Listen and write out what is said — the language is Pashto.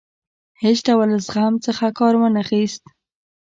هیڅ ډول زغم څخه کار وانه خیست.